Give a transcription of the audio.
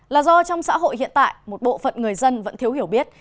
là do trong xã hội hiện tại một bộ phận người dân vẫn thiếu hiểu biết